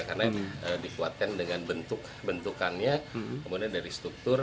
karena dikuatkan dengan bentuk bentukannya kemudian dari struktur